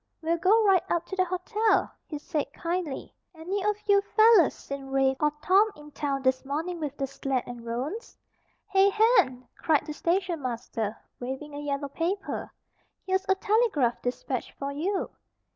We'll go right up to the hotel," he said, kindly. "Any of you fellows seen Rafe or Tom in town this morning with the sled and roans?" "Hey, Hen!" cried the station master, waving a yellow paper. "Here's a telegraph despatch for you."